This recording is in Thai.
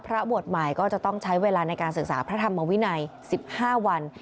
พระบวชใหม่ก็จะต้องใช้เวลาในการศึกษาพระธรรมวินัย๑๕วัน